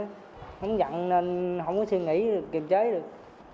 không dặn nên không có suy nghĩ được kịp chế được